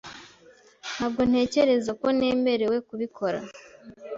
Ntabwo ntekereza ko nemerewe kubikora .